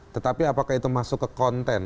tetapi apakah itu masuk ke konten